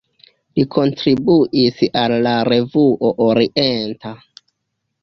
Li kontribuis al "La Revuo Orienta".